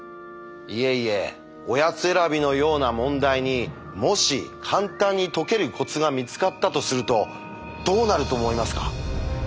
いえいえおやつ選びのような問題にもし簡単に解けるコツが見つかったとするとどうなると思いますか？